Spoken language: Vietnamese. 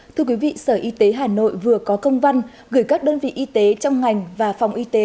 thưa quý vị sở y tế hà nội vừa có công văn gửi các đơn vị y tế trong ngành và phòng y tế